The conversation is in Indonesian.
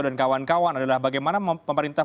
dan kawan kawan adalah bagaimana pemerintah